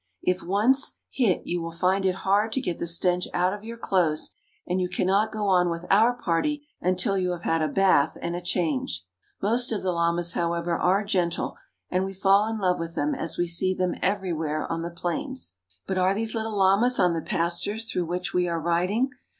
If once hit you will find it hard to get the stench out of your clothes, and you cannot go on with our party until you have had a bath and a change. Most of the llamas, however, are gentle, and we fall in love with them as we see them everywhere on the plains. But are these little llamas on the pastures through which we are riding